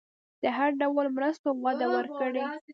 د هر ډول مرستو وعده ورکړي.